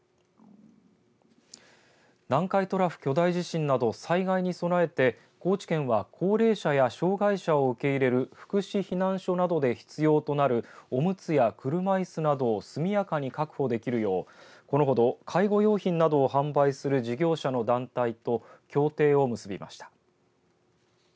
南海トラフ巨大地震など災害に備えて高知県は、高齢者や障害者を受け入れる福祉避難所などで必要となるおむつや車いすなどを速やかに確保できるようこのほど介護用品などを販売する事業者の団体と協定を結びました。